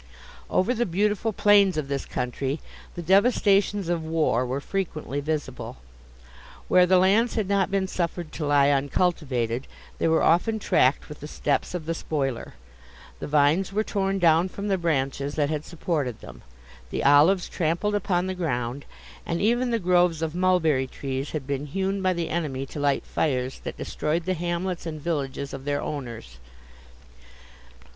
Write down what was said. Over the beautiful plains of this country the devastations of war were frequently visible. Where the lands had not been suffered to lie uncultivated, they were often tracked with the steps of the spoiler; the vines were torn down from the branches that had supported them, the olives trampled upon the ground, and even the groves of mulberry trees had been hewn by the enemy to light fires that destroyed the hamlets and villages of their owners.